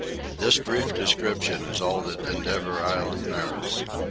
This brief description is all that Endeavour Island merits.